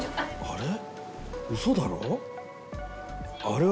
あれ？